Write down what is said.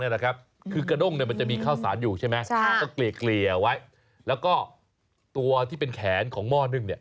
แล้วก็ตัวที่เป็นแขนของหม้อหนึ่ง